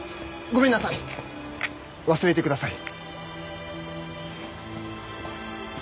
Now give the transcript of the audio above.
ごめんなさい忘れてください。